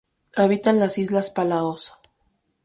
Habita en las islas Palaos.